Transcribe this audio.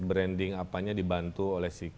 branding apanya dibantu oleh